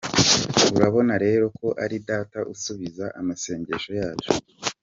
Urabona rero ko ari Data usubiza amasengesho yacu.